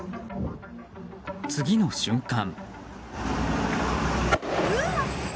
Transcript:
次の瞬間。